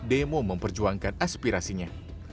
demo memperjuangkan aspirasinya